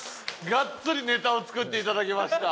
ガッツリネタを作っていただきました。